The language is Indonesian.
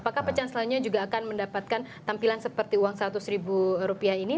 apakah pecan selanjutnya juga akan mendapatkan tampilan seperti uang seratus ribu rupiah ini